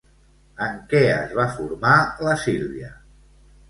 En què es va formar la Sílvia?